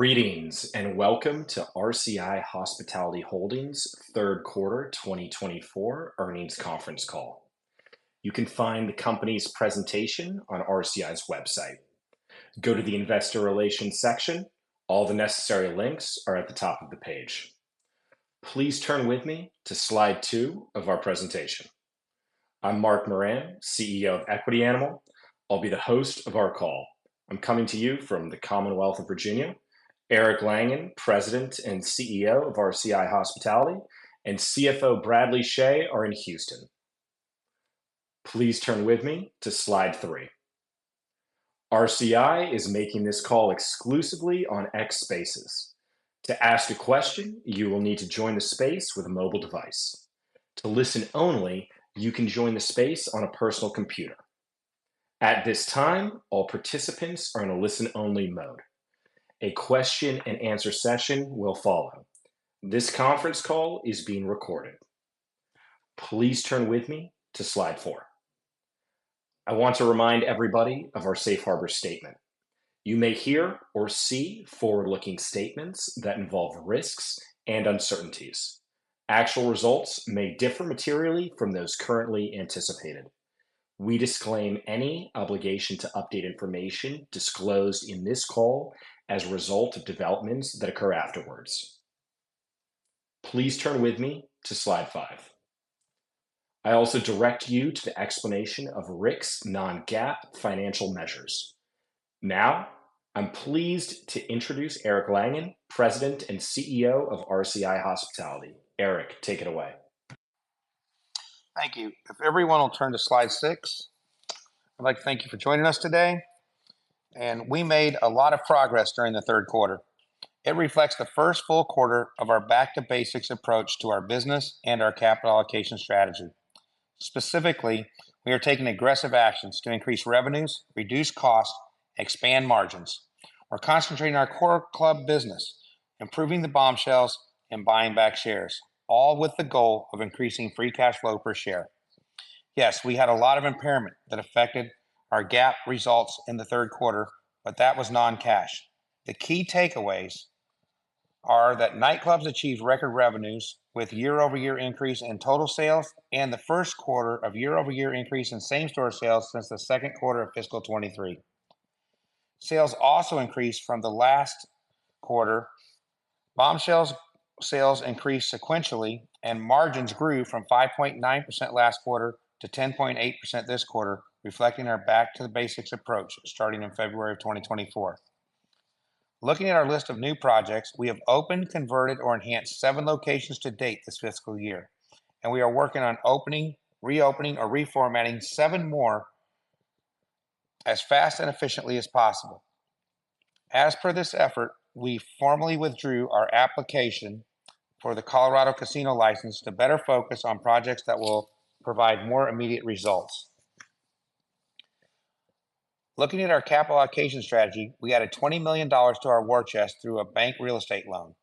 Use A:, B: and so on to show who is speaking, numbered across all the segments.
A: Greetings, and welcome to RCI Hospitality Holdings third quarter 2024 earnings conference call. You can find the company's presentation on RCI's website. Go to the Investor Relations section. All the necessary links are at the top of the page. Please turn with me to slide 2 of our presentation. I'm Mark Moran, CEO of Equity Animal. I'll be the host of our call. I'm coming to you from the Commonwealth of Virginia. Eric Langan, President and CEO of RCI Hospitality, and CFO Bradley Chhay are in Houston. Please turn with me to slide 3. RCI is making this call exclusively on X Spaces. To ask a question, you will need to join the space with a mobile device. To listen only, you can join the space on a personal computer. At this time, all participants are in a listen-only mode. A question-and-answer session will follow. This conference call is being recorded. Please turn with me to slide 4. I want to remind everybody of our safe harbor statement. You may hear or see forward-looking statements that involve risks and uncertainties. Actual results may differ materially from those currently anticipated. We disclaim any obligation to update information disclosed in this call as a result of developments that occur afterwards. Please turn with me to slide 5. I also direct you to the expla`nation of RCI's non-GAAP financial measures. Now, I'm pleased to introduce Eric Langan, President and CEO of RCI Hospitality. Eric, take it away.
B: Thank you. If everyone will turn to slide 6, I'd like to thank you for joining us today, and we made a lot of progress during the third quarter. It reflects the first full quarter of our back to basics approach to our business and our capital allocation strategy. Specifically, we are taking aggressive actions to increase revenues, reduce costs, expand margins. We're concentrating our core club business, improving the Bombshells, and buying back shares, all with the goal of increasing free cash flow per share. Yes, we had a lot of impairment that affected our GAAP results in the third quarter, but that was non-cash. The key takeaways are that nightclubs achieved record revenues with year-over-year increase in total sales and the first quarter of year-over-year increase in same-store sales since the second quarter of fiscal 2023. Sales also increased from the last quarter. Bombshells sales increased sequentially and margins grew from 5.9% last quarter to 10.8% this quarter, reflecting our back to the basics approach starting in February of 2024. Looking at our list of new projects, we have opened, converted, or enhanced seven locations to date this fiscal year, and we are working on opening, reopening, or reformatting seven more as fast and efficiently as possible. As per this effort, we formally withdrew our application for the Colorado casino license to better focus on projects that will provide more immediate results. Looking at our capital allocation strategy, we added $20 million to our war chest through a bank real estate loan.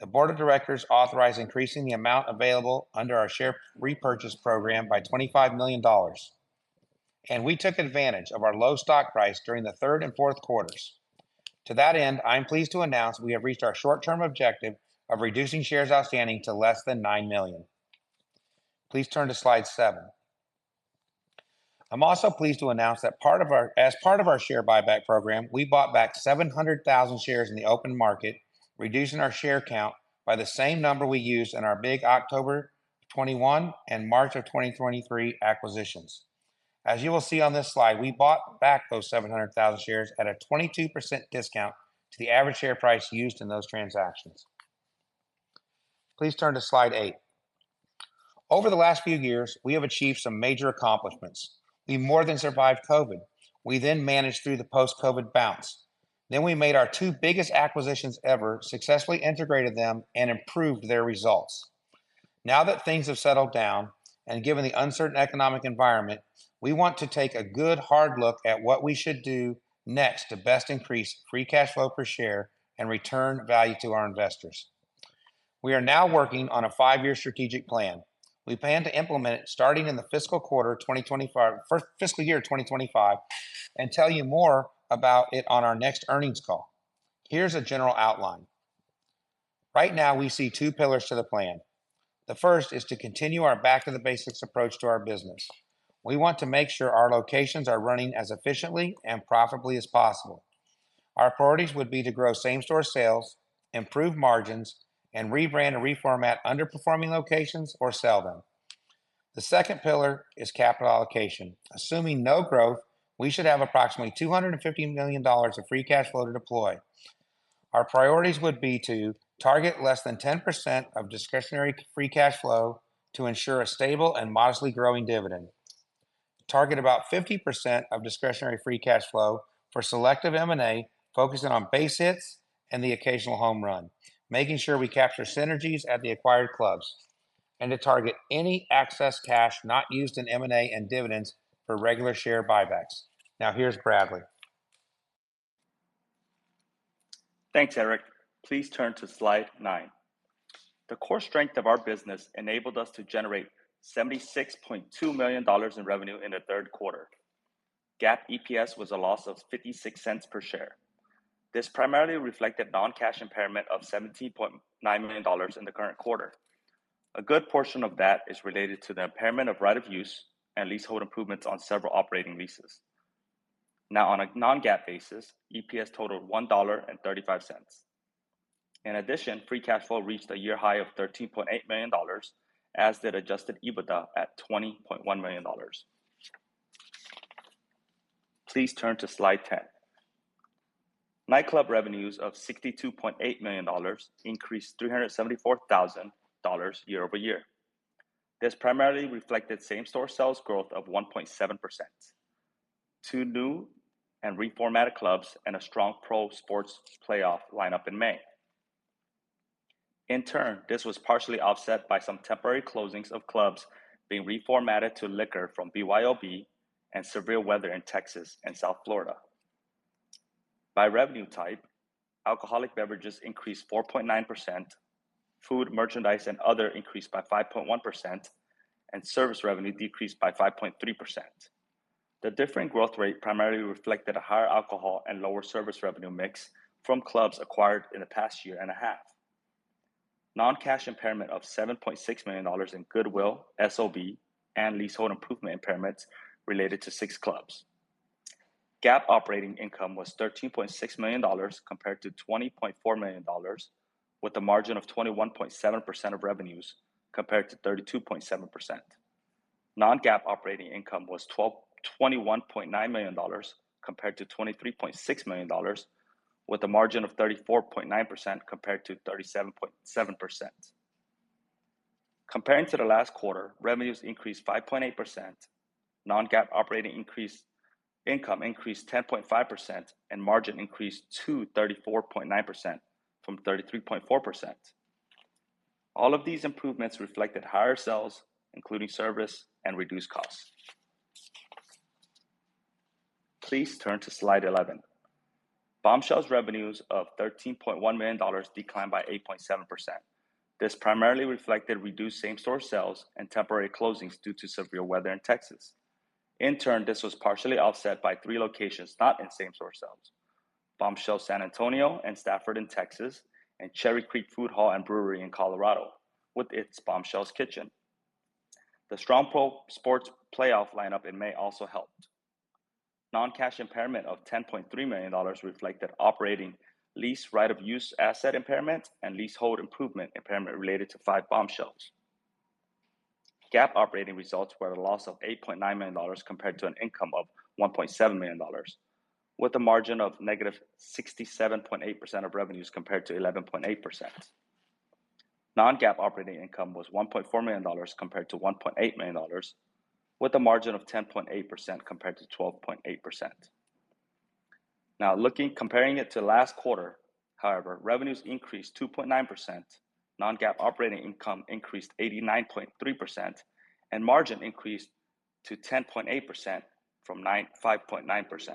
B: The board of directors authorized increasing the amount available under our share repurchase program by $25 million, and we took advantage of our low stock price during the third and fourth quarters. To that end, I'm pleased to announce we have reached our short-term objective of reducing shares outstanding to less than 9 million. Please turn to slide 7. I'm also pleased to announce as part of our share buyback program, we bought back 700,000 shares in the open market, reducing our share count by the same number we used in our big October 2021 and March 2023 acquisitions. As you will see on this slide, we bought back those 700,000 shares at a 22% discount to the average share price used in those transactions. Please turn to slide 8. Over the last few years, we have achieved some major accomplishments. We more than survived COVID. We then managed through the post-COVID bounce. Then we made our 2 biggest acquisitions ever, successfully integrated them, and improved their results. Now that things have settled down, and given the uncertain economic environment, we want to take a good, hard look at what we should do next to best increase free cash flow per share and return value to our investors. We are now working on a five-year strategic plan. We plan to implement it starting in the fiscal quarter 2025... for fiscal year 2025, and tell you more about it on our next earnings call. Here's a general outline. Right now, we see two pillars to the plan. The first is to continue our back-to-the-basics approach to our business. We want to make sure our locations are running as efficiently and profitably as possible. Our priorities would be to grow same-store sales, improve margins, and rebrand and reformat underperforming locations or sell them. The second pillar is capital allocation. Assuming no growth, we should have approximately $250 million of free cash flow to deploy. Our priorities would be to target less than 10% of discretionary free cash flow to ensure a stable and modestly growing dividend. Target about 50% of discretionary free cash flow for selective M&A, focusing on base hits and the occasional home run, making sure we capture synergies at the acquired clubs, and to target any excess cash not used in M&A and dividends for regular share buybacks. Now, here's Bradley.
C: Thanks, Eric. Please turn to slide 9. The core strength of our business enabled us to generate $76.2 million in revenue in the third quarter. GAAP EPS was a loss of $0.56 per share. This primarily reflected non-cash impairment of $17.9 million in the current quarter. A good portion of that is related to the impairment of right of use and leasehold improvements on several operating leases. Now, on a non-GAAP basis, EPS totaled $1.35. In addition, free cash flow reached a year high of $13.8 million, as did Adjusted EBITDA at $20.1 million. Please turn to slide 10. Nightclub revenues of $62.8 million increased $374,000 year-over-year. This primarily reflected same-store sales growth of 1.7%, 2 new and reformatted clubs, and a strong pro sports playoff lineup in May. In turn, this was partially offset by some temporary closings of clubs being reformatted to liquor from BYOB and severe weather in Texas and South Florida. By revenue type, alcoholic beverages increased 4.9%, food, merchandise, and other increased by 5.1%, and service revenue decreased by 5.3%. The differing growth rate primarily reflected a higher alcohol and lower service revenue mix from clubs acquired in the past year and a half. Non-cash impairment of $7.6 million in goodwill, SOB, and leasehold improvement impairments related to 6 clubs. GAAP operating income was $13.6 million, compared to $20.4 million, with a margin of 21.7% of revenues, compared to 32.7%. Non-GAAP operating income was $21.9 million, compared to $23.6 million, with a margin of 34.9%, compared to 37.7%. Comparing to the last quarter, revenues increased 5.8%, non-GAAP operating income increased 10.5%, and margin increased to 34.9% from 33.4%. All of these improvements reflected higher sales, including service and reduced costs. Please turn to slide 11. Bombshells' revenues of $13.1 million declined by 8.7%. This primarily reflected reduced same store sales and temporary closings due to severe weather in Texas. In turn, this was partially offset by 3 locations not in same store sales: Bombshells San Antonio and Stafford in Texas, and Cherry Creek Food Hall and Brewery in Colorado, with its Bombshells Kitchen. The strong pro sports playoff lineup in May also helped. Non-cash impairment of $10.3 million reflected operating lease, Right of Use, asset impairment, and leasehold improvement impairment related to 5 Bombshells. GAAP operating results were a loss of $8.9 million, compared to an income of $1.7 million, with a margin of negative 67.8% of revenues, compared to 11.8%. Non-GAAP operating income was $1.4 million, compared to $1.8 million, with a margin of 10.8%, compared to 12.8%. Now, comparing it to last quarter, however, revenues increased 2.9%, non-GAAP operating income increased 89.3%, and margin increased to 10.8% from 5.9%.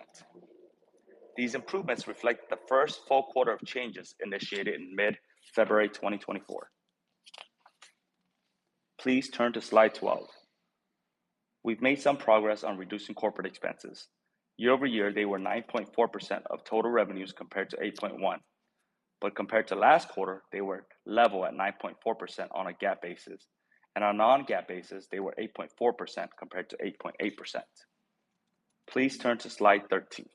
C: These improvements reflect the first full quarter of changes initiated in mid-February 2024. Please turn to slide 12. We've made some progress on reducing corporate expenses. Year-over-year, they were 9.4% of total revenues, compared to 8.1%. But compared to last quarter, they were level at 9.4% on a GAAP basis, and on a non-GAAP basis, they were 8.4%, compared to 8.8%. Please turn to slide 13.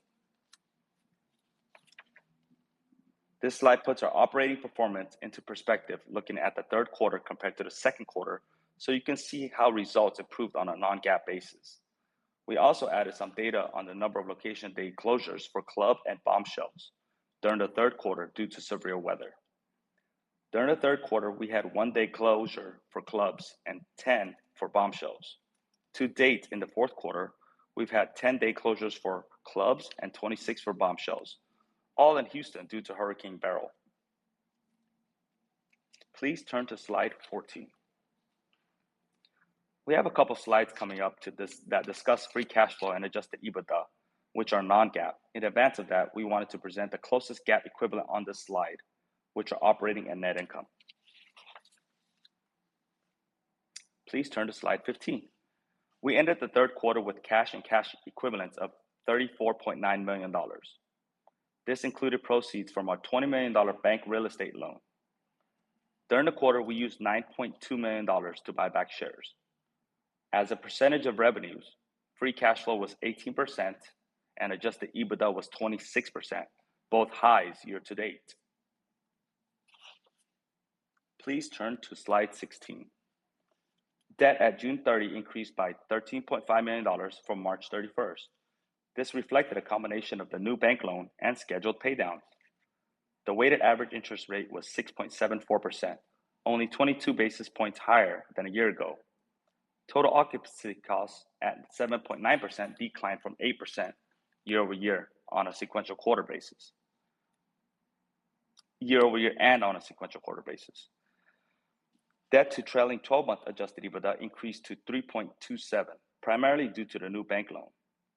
C: This slide puts our operating performance into perspective, looking at the third quarter compared to the second quarter, so you can see how results improved on a non-GAAP basis. We also added some data on the number of location day closures for clubs and Bombshells during the third quarter due to severe weather. During the third quarter, we had 1 day closure for clubs and 10 for Bombshells. To date, in the fourth quarter, we've had 10 day closures for clubs and 26 for Bombshells, all in Houston, due to Hurricane Beryl. Please turn to slide 14. We have a couple of slides coming up to this, that discuss free cash flow and Adjusted EBITDA, which are non-GAAP. In advance of that, we wanted to present the closest GAAP equivalent on this slide, which are operating and net income. Please turn to slide 15. We ended the third quarter with cash and cash equivalents of $34.9 million. This included proceeds from our $20 million bank real estate loan. During the quarter, we used $9.2 million to buyback shares. As a percentage of revenues, free cash flow was 18%, and Adjusted EBITDA was 26%, both highs year to date. Please turn to slide 16. Debt at June 30 increased by $13.5 million from March 31. This reflected a combination of the new bank loan and scheduled paydown. The weighted average interest rate was 6.74%, only 22 basis points higher than a year ago. Total occupancy costs at 7.9% declined from 8% year over year on a sequential quarter basis. Debt to trailing 12-month Adjusted EBITDA increased to 3.27, primarily due to the new bank loan.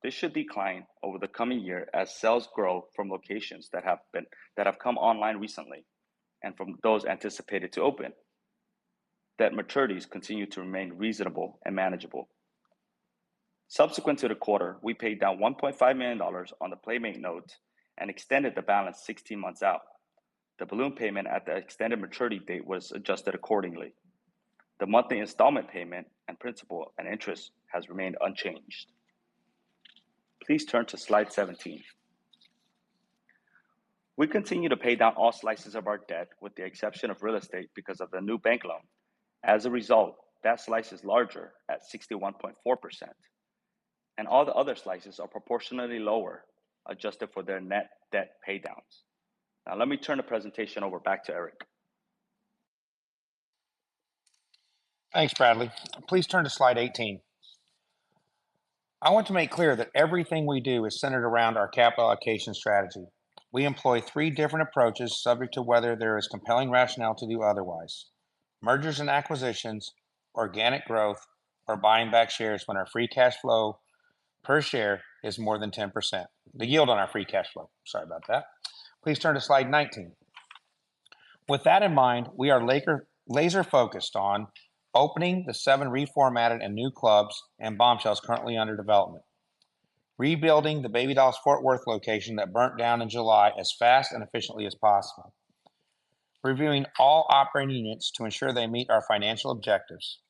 C: This should decline over the coming year as sales grow from locations that have come online recently, and from those anticipated to open. Debt maturities continue to remain reasonable and manageable. Subsequent to the quarter, we paid down $1.5 million on the Playmates note and extended the balance 16 months out. The balloon payment at the extended maturity date was adjusted accordingly. The monthly installment payment and principal and interest has remained unchanged. Please turn to Slide 17. We continue to pay down all slices of our debt, with the exception of real estate, because of the new bank loan. As a result, that slice is larger at 61.4%, and all the other slices are proportionately lower, adjusted for their net debt pay downs. Now, let me turn the presentation over back to Eric.
B: Thanks, Bradley. Please turn to Slide 18. I want to make clear that everything we do is centered around our capital allocation strategy. We employ three different approaches, subject to whether there is compelling rationale to do otherwise: mergers and acquisitions, organic growth, or buyingback shares when our free cash flow per share is more than 10%... the yield on our free cash flow, sorry about that. Please turn to Slide 19. With that in mind, we are laser focused on opening the seven reformatted and new clubs, and Bombshells currently under development, rebuilding the Baby Dolls Fort Worth location that burned down in July as fast and efficiently as possible, reviewing all operating units to ensure they meet our financial objectives,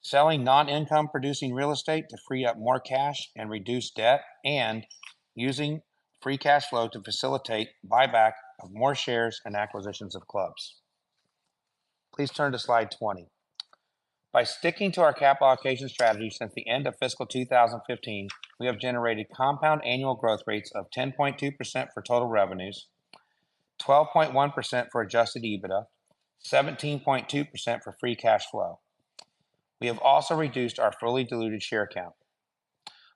B: selling non-income producing real estate to free up more cash and reduce debt, and using free cash flow to facilitate buyback of more shares and acquisitions of clubs. Please turn to Slide 20. By sticking to our capital allocation strategy since the end of fiscal 2015, we have generated compound annual growth rates of 10.2% for total revenues, 12.1% for Adjusted EBITDA, 17.2% for free cash flow. We have also reduced our fully diluted share count.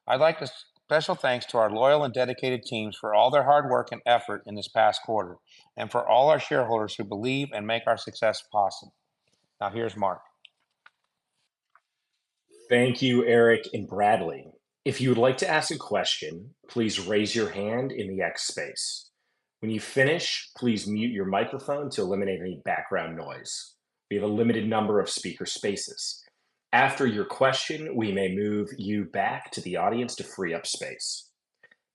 B: I'd like to special thanks to our loyal and dedicated teams for all their hard work and effort in this past quarter, and for all our shareholders who believe and make our success possible. Now here's Mark.
A: Thank you, Eric and Bradley. If you would like to ask a question, please raise your hand in the X space. When you finish, please mute your microphone to eliminate any background noise. We have a limited number of speaker spaces. After your question, we may move you back to the audience to free up space.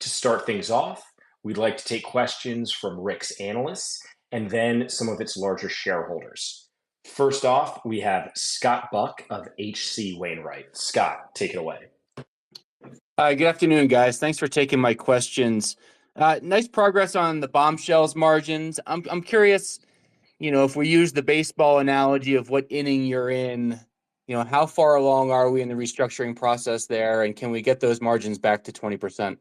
A: To start things off, we'd like to take questions from RICK's analysts and then some of its larger shareholders. First off, we have Scott Buck of H.C. Wainwright. Scott, take it away.
D: Hi, good afternoon, guys. Thanks for taking my questions. Nice progress on the Bombshells margins. I'm curious, you know, if we use the baseball analogy of what inning you're in, you know, how far along are we in the restructuring process there, and can we get those margins back to 20%?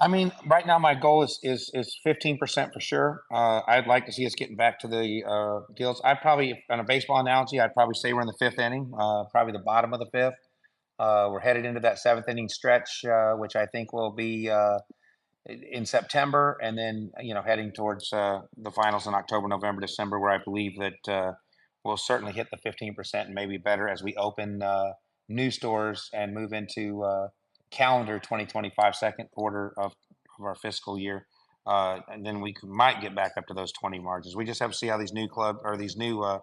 B: I mean, right now my goal is 15% for sure. I'd like to see us getting back to the deals. I'd probably, on a baseball analogy, say we're in the fifth inning, probably the bottom of the 5th. We're headed into that seventh inning stretch, which I think will be in September, and then, you know, heading towards the finals in October, November, December, where I believe that we'll certainly hit the 15% and maybe better as we open new stores and move into calendar 2025, second quarter of our fiscal year. And then we might get back up to those 20% margins. We just have to see how these new clubs or these new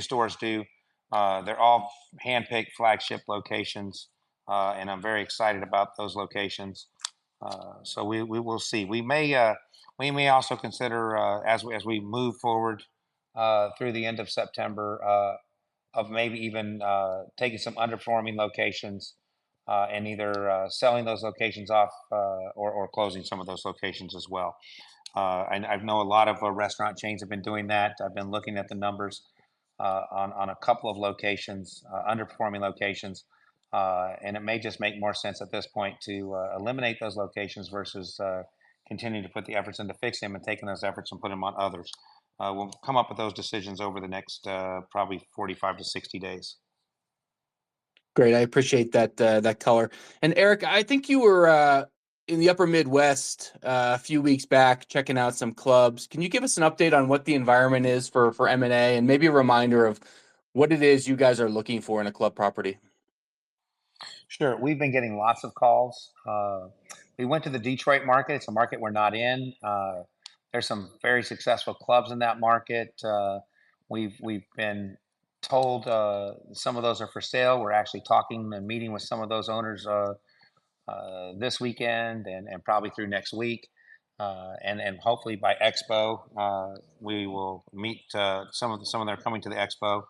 B: stores do. They're all handpicked flagship locations, and I'm very excited about those locations. So we will see. We may also consider, as we move forward, through the end of September, of maybe even taking some underperforming locations, and either selling those locations off, or closing some of those locations as well. And I know a lot of restaurant chains have been doing that. I've been looking at the numbers, on a couple of locations, underperforming locations, and it may just make more sense at this point to eliminate those locations versus continuing to put the efforts in to fix them and taking those efforts and put them on others. We'll come up with those decisions over the next, probably 45-60 days.
D: Great, I appreciate that color. And Eric, I think you were in the Upper Midwest a few weeks back, checking out some clubs. Can you give us an update on what the environment is for M&A, and maybe a reminder of what it is you guys are looking for in a club property?
B: Sure. We've been getting lots of calls. We went to the Detroit market. It's a market we're not in. There's some very successful clubs in that market. We've been told some of those are for sale. We're actually talking and meeting with some of those owners this weekend, and probably through next week. And hopefully by Expo, we will meet some of... Some of them are coming to the Expo,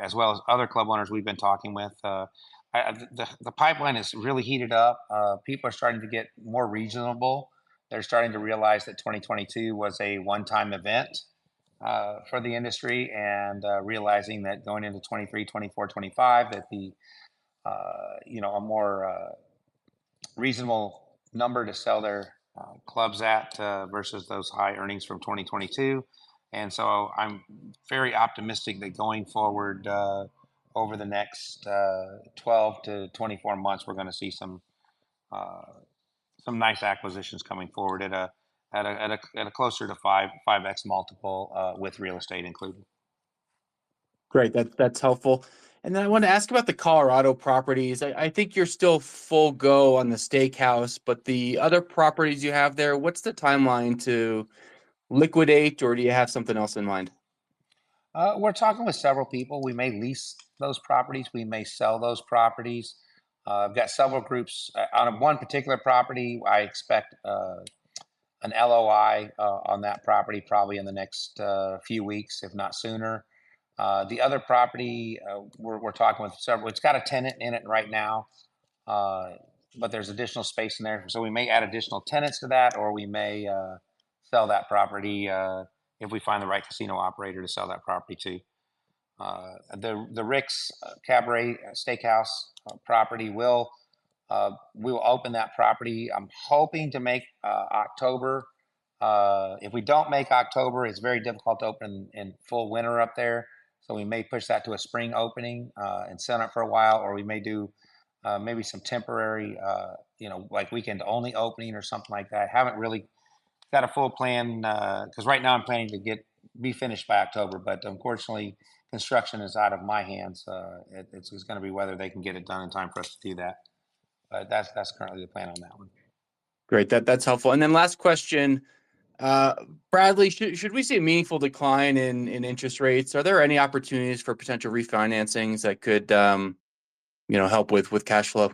B: as well as other club owners we've been talking with. The pipeline has really heated up. People are starting to get more reasonable. They're starting to realize that 2022 was a one-time event for the industry, and realizing that going into 2023, 2024, 2025, that you know, a more reasonable number to sell their clubs at versus those high earnings from 2022. And so I'm very optimistic that going forward, over the next 12-24 months, we're gonna see some nice acquisitions coming forward at a closer to 5x multiple, with real estate included.
D: Great. That's helpful. And then I wanna ask about the Colorado properties. I think you're still full go on the steakhouse, but the other properties you have there, what's the timeline to liquidate, or do you have something else in mind?
B: We're talking with several people. We may lease those properties, we may sell those properties. I've got several groups... On one particular property, I expect an LOI on that property probably in the next few weeks, if not sooner. The other property, we're talking with several... It's got a tenant in it right now, but there's additional space in there, so we may add additional tenants to that, or we may sell that property if we find the right casino operator to sell that property to. The Rick's Cabaret Steakhouse property, we'll open that property. I'm hoping to make October. If we don't make October, it's very difficult to open in full winter up there, so we may push that to a spring opening, and set up for a while, or we may do maybe some temporary, you know, like weekend-only opening or something like that. Haven't really got a full plan, 'cause right now I'm planning to be finished by October, but unfortunately, construction is out of my hands. It's just gonna be whether they can get it done in time for us to do that. But that's currently the plan on that one.
D: Great. That's helpful. And then last question: Bradley, should we see a meaningful decline in interest rates? Are there any opportunities for potential refinancings that could, you know, help with cash flow?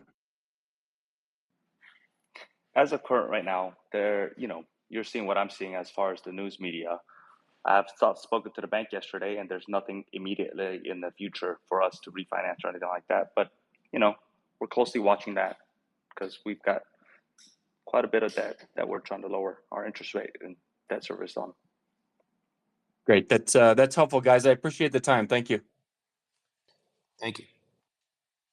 C: As of current right now, you know, you're seeing what I'm seeing as far as the news media. I've spoken to the bank yesterday, and there's nothing immediately in the future for us to refinance or anything like that, but, you know, we're closely watching that, 'cause we've got quite a bit of debt that we're trying to lower our interest rate and debt service on.
D: Great. That's, that's helpful, guys. I appreciate the time. Thank you.
B: Thank you.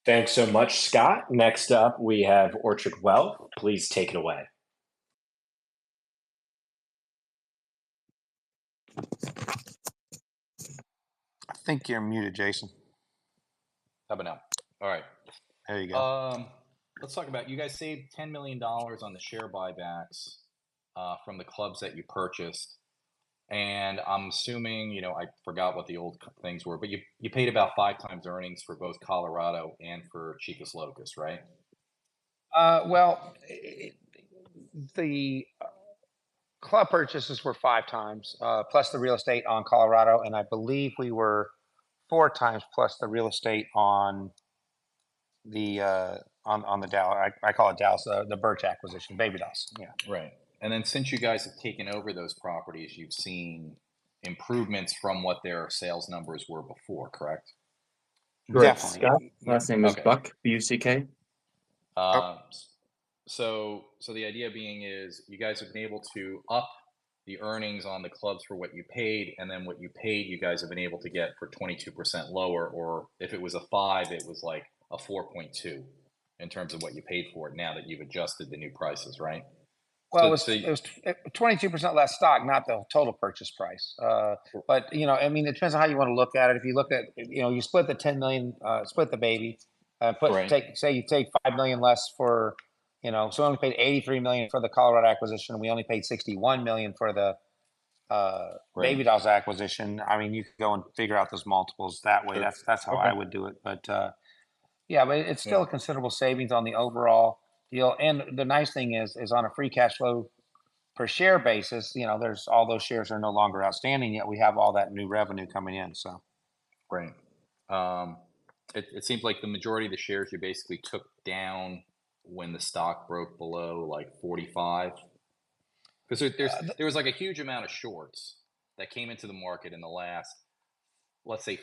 A: Thanks so much, Scott. Next up, we have Orchard Wealth. Please take it away.
C: I think you're muted, Jason.
E: How about now? All right.
C: There you go.
E: Let's talk about, you guys saved $10 million on the share buybacks from the clubs that you purchased, and I'm assuming, you know, I forgot what the old things were, but you, you paid about 5x the earnings for both Colorado and for Chicas Locas, right?
B: Well, the club purchases were 5x+ the real estate on Colorado, and I believe we were 4x+ the real estate on the Dallas. I call it Dallas, the Burch acquisition. Baby Dolls. Yeah.
E: Right. And then since you guys have taken over those properties, you've seen improvements from what their sales numbers were before, correct?
B: Yes.
E: Great, Scott. Last name is Buck, B-U-C-K. So, so the idea being is, you guys have been able to up the earnings on the clubs for what you paid, and then what you paid, you guys have been able to get for 22% lower, or if it was a 5, it was, like, a 4.2, in terms of what you paid for it now that you've adjusted the new prices, right? So, so you-
B: Well, it was 22% less stock, not the total purchase price.
E: Sure
B: .but, you know, I mean, it depends on how you wanna look at it. If you look at, you know, you split the $10 million, split the Baby,
E: Right
B: ...put, take, say you take $5 million less for, you know, so we only paid $83 million for the Colorado acquisition, and we only paid $61 million for the,
E: Right...
B: Baby Dolls acquisition. I mean, you could go and figure out those multiples that way.
E: Sure.
B: That's how I would do it.
E: Okay.
B: But, yeah, but
E: Yeah...
B: it's still a considerable savings on the overall deal. And the nice thing is on a free cash flow per share basis, you know, there's all those shares are no longer outstanding, yet we have all that new revenue coming in, so.
E: Great. It seems like the majority of the shares you basically took down when the stock broke below, like, $45. 'Cause there's-
B: Uh, the-...
E: there was, like, a huge amount of shorts that came into the market in the last, let's say,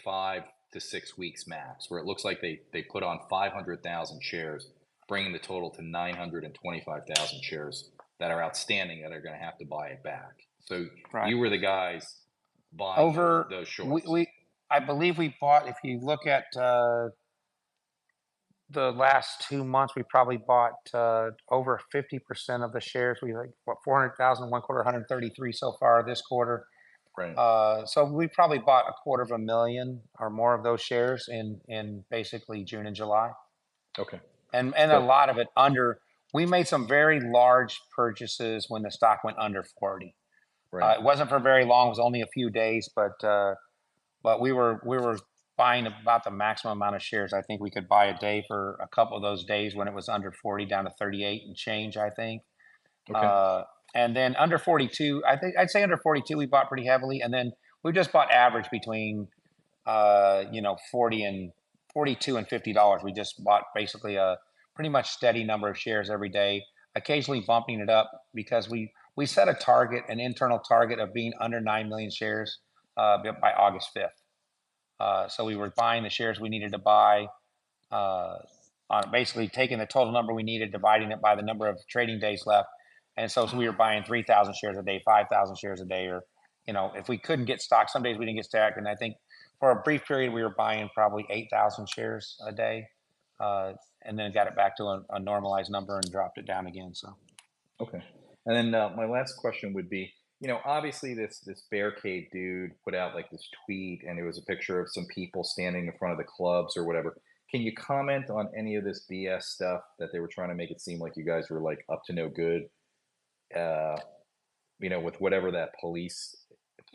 E: 5-6 weeks max, where it looks like they, they put on 500,000 shares, bringing the total to 925,000 shares that are outstanding, that are gonna have to buy it back.
B: Right.
E: So you were the guys buying-
B: Over-...
E: those shorts...
B: we, I believe we bought, if you look at the last two months, we probably bought over 50% of the shares. We, like, what, 400,000 one quarter, 133 so far this quarter.
E: Great.
B: So we probably bought 250,000 or more of those shares in basically June and July.
E: Okay.
B: And a lot of it under... We made some very large purchases when the stock went under 40.
E: Right.
B: It wasn't for very long, it was only a few days, but we were buying about the maximum amount of shares I think we could buy a day for a couple of those days when it was under $40, down to $38 and change, I think.
E: Okay.
B: And then under 42, I think... I'd say under 42, we bought pretty heavily, and then we've just bought average between, you know, 40 and $42 and $50. We just bought basically a pretty much steady number of shares every day, occasionally bumping it up, because we set a target, an internal target, of being under 9 million shares by August 5th. So we were buying the shares we needed to buy, on basically taking the total number we needed, dividing it by the number of trading days left, and so we were buying 3,000 shares a day, 5,000 shares a day or, you know, if we couldn't get stock, some days we didn't get stock, and I think for a brief period we were buying probably 8,000 shares a day. And then got it back to a normalized number and dropped it down again, so....
E: Okay, and then, my last question would be, you know, obviously this, this Bear Cave dude put out, like, this tweet, and it was a picture of some people standing in front of the clubs or whatever. Can you comment on any of this BS stuff that they were trying to make it seem like you guys were, like, up to no good, you know, with whatever that police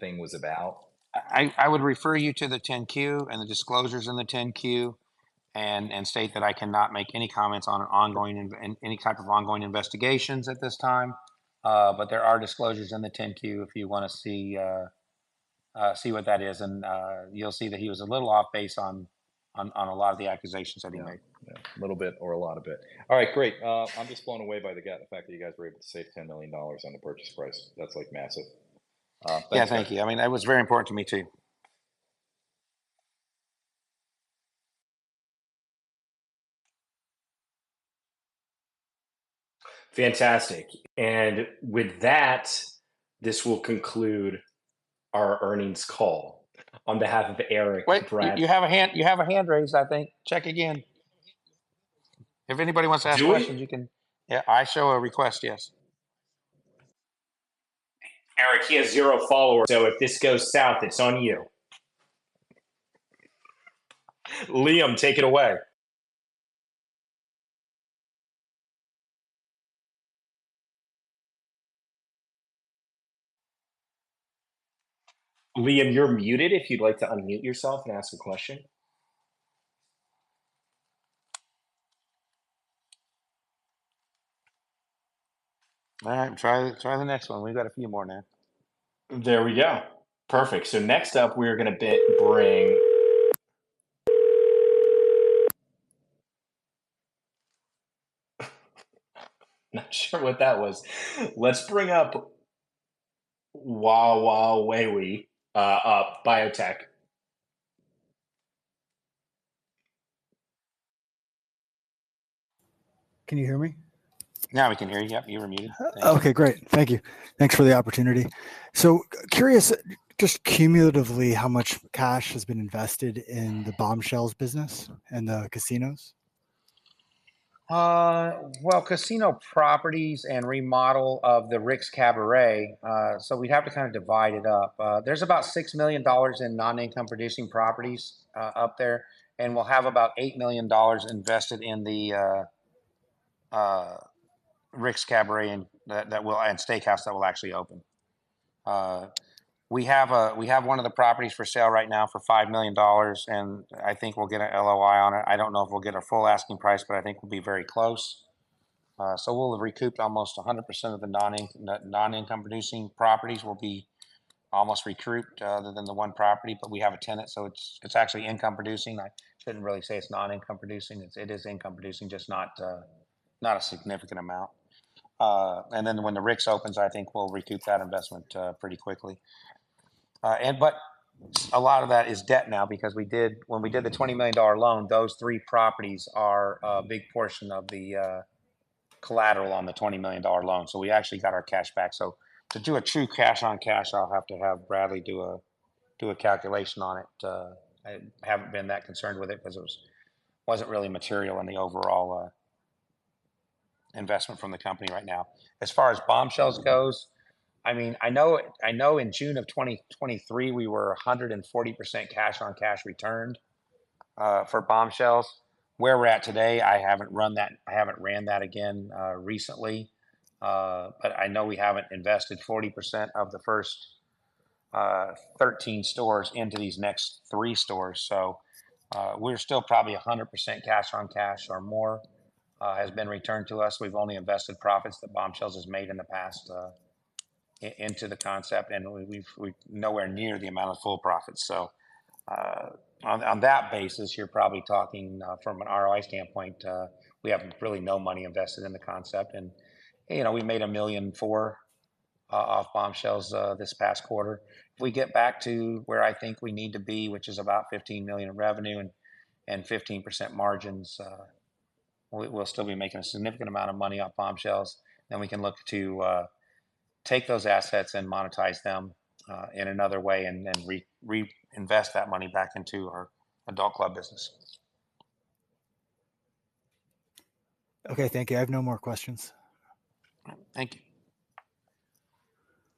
E: thing was about?
B: I would refer you to the 10-Q and the disclosures in the 10-Q, and state that I cannot make any comments on an ongoing, any type of ongoing investigations at this time. But there are disclosures in the 10-Q if you wanna see what that is, and you'll see that he was a little off base on a lot of the accusations that he made.
E: Yeah. Yeah, a little bit or a lot a bit. All right, great. I'm just blown away by the fact that you guys were able to save $10 million on the purchase price. That's, like, massive. Thanks again.
B: Yeah, thank you. I mean, that was very important to me, too.
A: Fantastic, and with that, this will conclude our earnings call. On behalf of Eric, Brad-
B: Wait, you have a hand... You have a hand raised, I think. Check again. If anybody wants to ask questions-
A: Do we?
B: You can... Yeah, I show a request, yes.
A: Eric, he has zero followers, so if this goes south, it's on you. Liam, take it away. Liam, you're muted, if you'd like to unmute yourself and ask a question. All right, try, try the next one. We've got a few more, man. There we go. Perfect, so next up, we are gonna bring... Not sure what that was. Let's bring up Wawaweiwi, Biotech.
F: Can you hear me?
A: Now we can hear you. Yep, you were muted.
F: Okay, great. Thank you. Thanks for the opportunity. So curious, just cumulatively, how much cash has been invested in the Bombshells business and the casinos?
B: Well, casino properties and remodel of the Rick's Cabaret, so we'd have to kind of divide it up. There's about $6 million in non-income producing properties, up there, and we'll have about $8 million invested in the Rick's Cabaret and steakhouse that will actually open. We have one of the properties for sale right now for $5 million, and I think we'll get an LOI on it. I don't know if we'll get our full asking price, but I think we'll be very close. So we'll have recouped almost 100% of the non-income producing properties will be almost recouped, other than the one property, but we have a tenant, so it's actually income producing. I shouldn't really say it's non-income producing. It is income producing, just not a significant amount. And then when the Rick's opens, I think we'll recoup that investment pretty quickly. And but a lot of that is debt now because we did. When we did the $20 million loan, those three properties are a big portion of the collateral on the $20 million loan, so we actually got our cash back. So to do a true cash on cash, I'll have to have Bradley do a calculation on it. I haven't been that concerned with it, 'cause it wasn't really material in the overall investment from the company right now. As far as Bombshells goes, I mean, I know in June of 2023, we were 140% cash-on-cash returned for Bombshells. Where we're at today, I haven't run that, I haven't ran that again, recently. But I know we haven't invested 40% of the first 13 stores into these next 3 stores, so we're still probably 100% cash-on-cash or more has been returned to us. We've only invested profits that Bombshells has made in the past into the concept, and we've nowhere near the amount of full profits. So on that basis, you're probably talking from an ROI standpoint, we have really no money invested in the concept. And you know, we made $1.4 million off Bombshells this past quarter. If we get back to where I think we need to be, which is about $15 million in revenue and 15% margins, we'll still be making a significant amount of money off Bombshells. Then we can look to take those assets and monetize them in another way, and then re-invest that money back into our adult club businesses.
F: Okay, thank you. I have no more questions.
B: Thank you.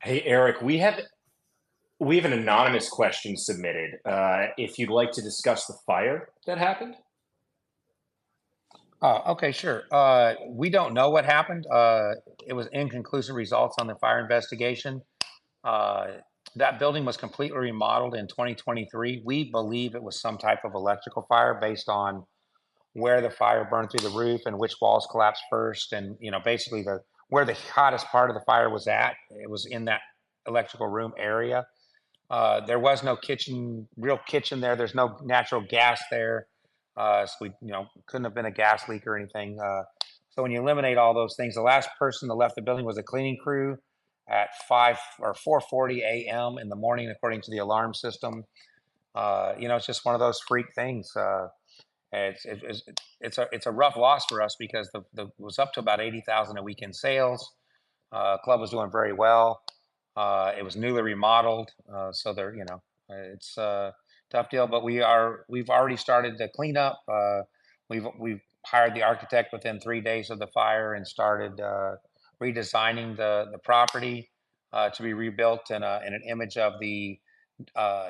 A: Hey, Eric, we have an anonymous question submitted, if you'd like to discuss the fire that happened?
B: Okay, sure. We don't know what happened. It was inconclusive results on the fire investigation. That building was completely remodeled in 2023. We believe it was some type of electrical fire, based on where the fire burned through the roof and which walls collapsed first, and, you know, basically the, where the hottest part of the fire was at, it was in that electrical room area. There was no kitchen, real kitchen there. There's no natural gas there, so we, you know, couldn't have been a gas leak or anything. So when you eliminate all those things, the last person that left the building was a cleaning crew at 5:00 A.M. or 4:40 A.M. in the morning, according to the alarm system. You know, it's just one of those freak things. It's a rough loss for us because it was up to about $80,000 a week in sales. Club was doing very well. It was newly remodeled, so there, you know, it's a tough deal, but we've already started the cleanup. We've hired the architect within three days of the fire and started redesigning the property to be rebuilt in an image of the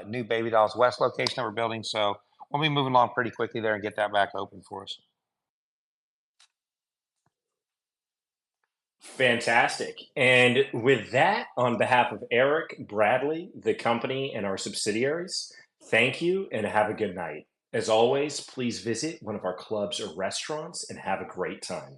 B: new Baby Dolls West location that we're building. So we'll be moving along pretty quickly there and get that back open for us.
A: Fantastic, and with that, on behalf of Eric, Bradley, the company, and our subsidiaries, thank you, and have a good night. As always, please visit one of our clubs or restaurants and have a great time.